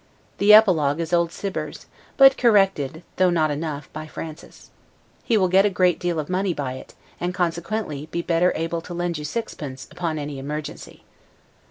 The epilogue is old Cibber's; but corrected, though not enough, by Francis. He will get a great deal of, money by it; and, consequently, be better able to lend you sixpence, upon any emergency.